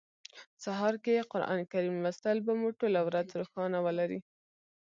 سهار کی قران کریم لوستل به مو ټوله ورځ روښانه ولري